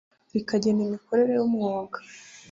rikagena imikorere y umwuga